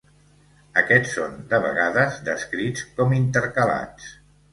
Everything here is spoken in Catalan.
Aquests són, de vegades, descrits com intercalats.